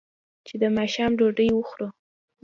چې د ماښام ډوډۍ وخوري.